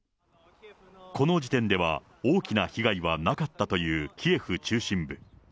この時点では、大きな被害はなかったというキエフ中心部。